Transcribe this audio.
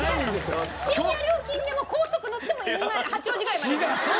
深夜料金でも高速乗っても八王子ぐらいまで行けますから。